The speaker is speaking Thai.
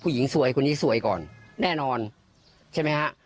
สวยคนนี้สวยก่อนแน่นอนใช่ไหมฮะ